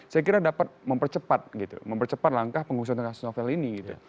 saya kira dapat mempercepat gitu mempercepat langkah pengusutan kasus novel ini gitu